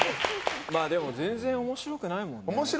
でも全然、面白くないもんね。